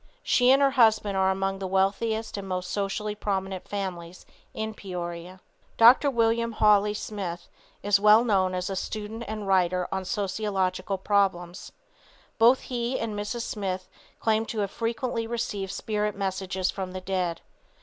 She and her husband are among the wealthiest and most socially prominent families in Peoria. Dr. William Hawley Smith is well known as a student and writer on sociological problems. Both he and Mrs. Smith claim to have frequently received spirit messages from the dead.